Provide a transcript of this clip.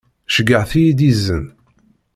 Ceyyɛet-iyi-d izen.